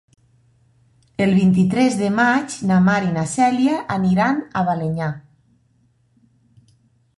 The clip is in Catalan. El vint-i-tres de maig na Mar i na Cèlia aniran a Balenyà.